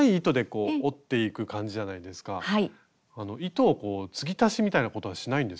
糸をこう継ぎ足しみたいなことはしないんですか？